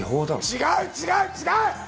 違う違う違う！